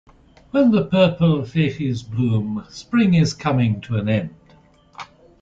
When purple vygies bloom, spring is coming to an end.